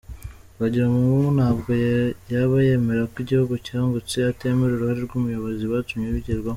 Twagiramungu ntabwo yaba yemera ko igihugu cyungutse atemera uruhare rw’ubuyobozi bwatumye bigerwaho.